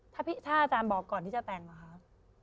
ถ้าอาจารย์บอกก่อนที่จะแต่งเหรอคะ